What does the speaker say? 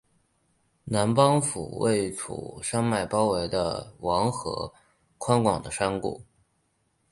南邦府位处山脉包围的王河宽广的山谷。